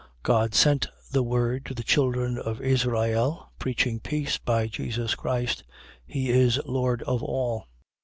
God sent the word to the children of Israel, preaching peace by Jesus Christ (He is Lord of all).